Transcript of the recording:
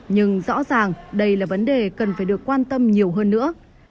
nhưng rõ ràng đây là vấn đề cần phải được quan tâm nhiều hơn nữa